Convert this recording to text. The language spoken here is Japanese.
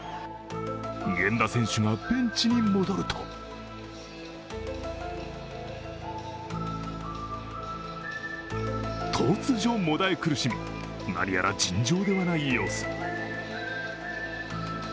源田選手がベンチに戻ると突如、もだえ苦しみ、何やら尋常ではない様子。